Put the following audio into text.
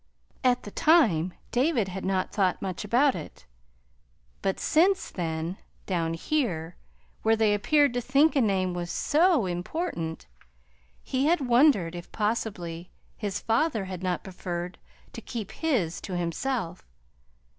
At the time David had not thought much about it. But since then, down here where they appeared to think a name was so important, he had wondered if possibly his father had not preferred to keep his to himself.